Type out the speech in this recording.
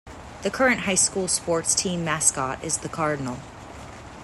The current high school sports team mascot is the cardinal.